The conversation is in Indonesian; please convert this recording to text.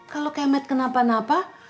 kalau kemet kenapa napa